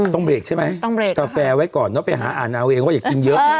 ต้องเรกใช่ไหมต้องเรกกาแฟไว้ก่อนเนอะไปหาอ่านเอาเองว่าอยากกินเยอะ